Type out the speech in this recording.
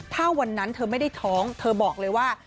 ถ้าวันนั้นเธอไม่ได้ท้องเธอบอกเลยว่า